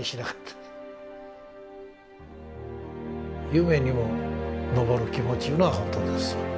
夢にも昇る気持ちいうのは本当ですわ。